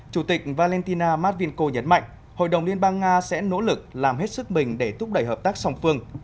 chủ tịch valentina matvinko nhấn mạnh hội đồng liên bang nga sẽ nỗ lực làm hết sức mình để thúc đẩy hợp tác song phương